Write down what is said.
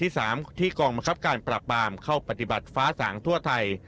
ที่กองบังคับการปราบปรามเข้าปฏิบัติฟ้าสางทั่วไทย